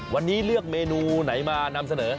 วันนี้เลือกเมนูไหนมานำเสนอ